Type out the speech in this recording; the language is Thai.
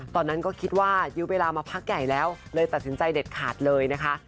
ตอนนั้นก็คิดว่ายื้อเวลามาพักใหญ่แล้วเลยตัดสินใจเด็ดขาดเลยนะคะ